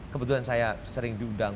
kebetulan saya sering diundang